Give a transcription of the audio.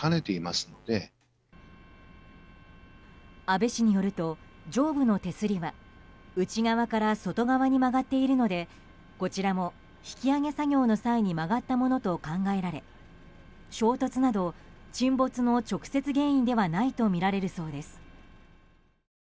安倍氏によると上部の手すりは内側から外側に曲がっているのでこちらも引き揚げ作業の際に曲がったものと考えられ衝突など、沈没の直接原因ではないとみられるそうです。